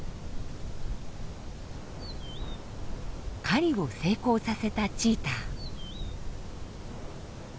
狩りを成功させたチーター。